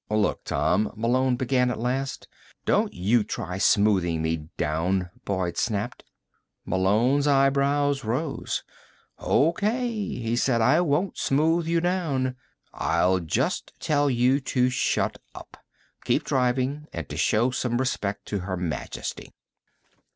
"Look, Tom," Malone began at last. "Don't you try smoothing me down," Boyd snapped. Malone's eyebrows rose. "O.K.," he said. "I won't smooth you down. I'll just tell you to shut up, to keep driving and to show some respect to Her Majesty."